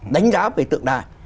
đánh giá về tượng đài